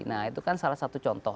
nah itu kan salah satu contoh